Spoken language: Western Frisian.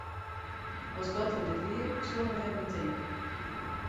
As God der net wie, soenen wy him betinke.